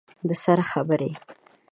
د سر خبرې